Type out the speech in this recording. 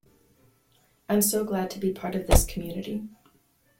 I'm so glad to be part of this community.